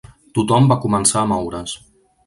Tothom va començar a moure's.